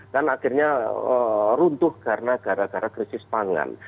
dan akhirnya runtuh karena krisis pangan